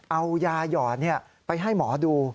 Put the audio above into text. เอายาหยอดไปให้หมอดู